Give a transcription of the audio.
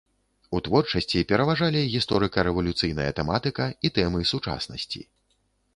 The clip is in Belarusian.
У творчасці пераважалі гісторыка-рэвалюцыйная тэматыка і тэмы сучаснасці.